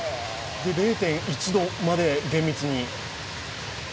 ０．１度まで厳密に？